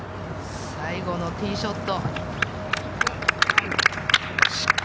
最後のティーショット。